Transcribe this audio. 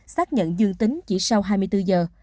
xác nhận dương tính chỉ sau hai mươi bốn giờ